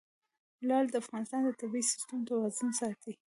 لعل د افغانستان د طبعي سیسټم توازن ساتي.